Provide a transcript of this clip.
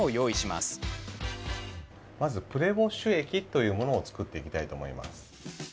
まず、プレウォッシュ液というものを作っていきたいと思います。